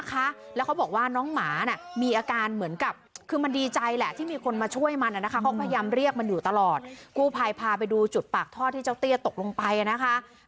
ภาษา๔มันดังปุ๊บได้ยินเสียงร้องออกมาข้างนอก